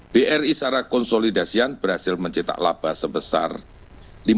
bri secara konsolidasian berhasil mencetak laba sebesar rp lima belas sembilan puluh delapan triliun